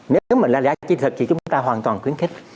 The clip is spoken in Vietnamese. nếu mà là giá trị thật thì chúng ta hoàn toàn khuyến khích